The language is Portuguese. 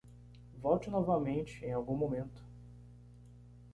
Volte novamente em algum momento.